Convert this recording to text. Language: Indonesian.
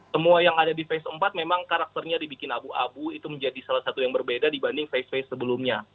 semua yang ada di face empat memang karakternya dibikin abu abu itu menjadi salah satu yang berbeda dibanding face face sebelumnya